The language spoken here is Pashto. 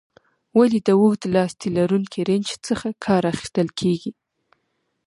ولې د اوږد لاستي لرونکي رنچ څخه کار اخیستل کیږي؟